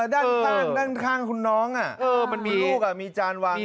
ที่ด้านข้างคุณน้องบ่มือก็มีจานวางอยู่